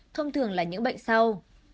thông thường là những bệnh sau